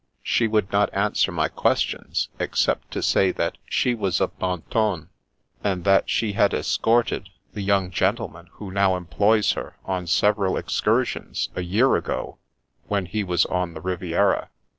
She would not answer my questions, except to say that she was of Mentone, and that she had escorted the young gentleman who now employs her on several excursions, a year ago, when he was on the Riviera.